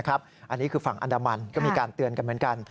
อันนี้คือฝั่งอันดามันก็มีการเตือนกันเหมือนกัน